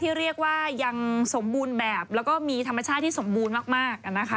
เรียกว่ายังสมบูรณ์แบบแล้วก็มีธรรมชาติที่สมบูรณ์มากนะคะ